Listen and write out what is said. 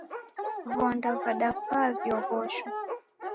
Vonda vadafaa vioghosho